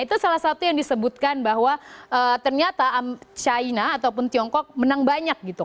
itu salah satu yang disebutkan bahwa ternyata china ataupun tiongkok menang banyak gitu